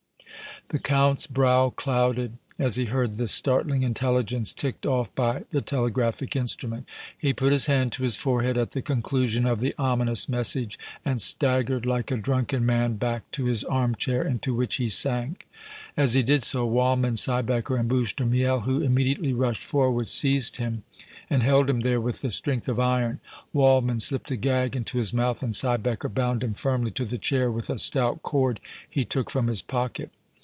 The Count's brow clouded as he heard this startling intelligence ticked off by the telegraphic instrument. He put his hand to his forehead at the conclusion of the ominous message and staggered like a drunken man back to his arm chair, into which he sank. As he did so, Waldmann, Siebecker and Bouche de Miel, who immediately rushed forward, seized him and held him there with the strength of iron. Waldmann slipped a gag into his mouth and Siebecker bound him firmly to the chair with a stout cord he took from his pocket.